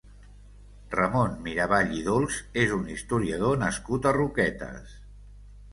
Ramon Miravall i Dolç és un historiador nascut a Roquetes.